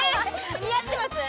似合ってます？